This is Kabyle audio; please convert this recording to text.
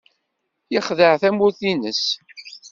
Yexdeɛ tamurt-nnes.